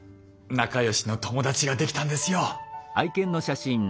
仲良しの友達ができたんですよ。